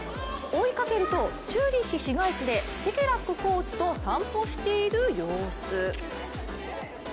追いかけると、チューリッヒ市街地でシェケラックコーチと散歩している様子。